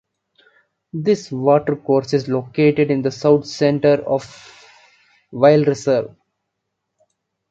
This watercourse is located in the south center of the Laurentides Wildlife Reserve.